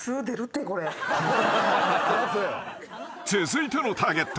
［続いてのターゲットは］